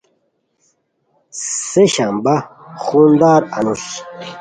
سہ شنبہ: خون دار انوس